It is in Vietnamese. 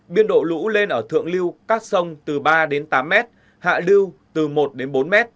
biên độ lũ lên ở thượng lưu các sông từ ba đến tám m hạ lưu từ một đến bốn m